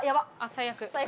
最悪。